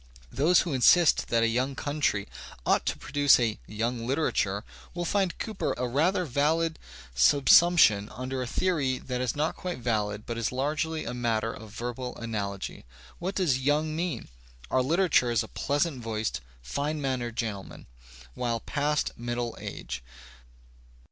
Those who insist that a young country ought to produce a "young" literature, will find Cooper a rather valid subsump tion under a theory that is not quite valid but is largely a matter of verbal analogy. What does "young" mean? Our literature is a pleagjajnt voicedyfine mannered gentleman, well past jmddle age.